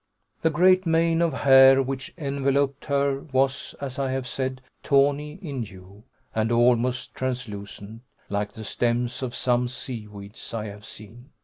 The great mane of hair which enveloped her was, as I have said, tawny in hue, and almost translucent, like the stems of some seaweeds I have seen.